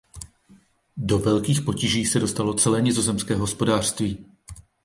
Do velkých potíží se dostalo celé nizozemské hospodářství.